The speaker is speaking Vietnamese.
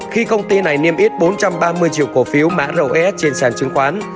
khi công ty này niêm yết bốn trăm ba mươi triệu cổ phiếu mã res trên sàn chứng khoán